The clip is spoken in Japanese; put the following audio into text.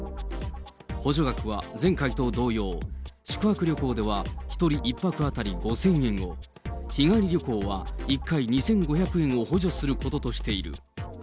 補助額は前回と同様、宿泊旅行では１人１泊当たり５０００円を、日帰り旅行は１回２５００円を補助することとしている。